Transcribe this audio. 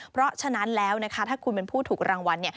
เพราะฉะนั้นแล้วนะคะถ้าคุณเป็นผู้ถูกรางวัล